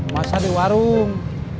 masa di warung